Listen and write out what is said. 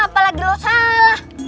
apalagi lu salah